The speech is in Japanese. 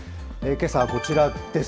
けさはこちらです。